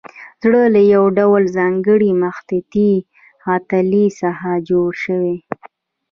زړه له یو ډول ځانګړې مخططې عضلې څخه جوړ شوی.